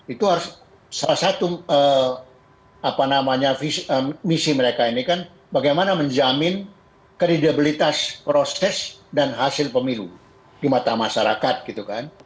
itu harus salah satu misi mereka ini kan bagaimana menjamin kredibilitas proses dan hasil pemilu di mata masyarakat gitu kan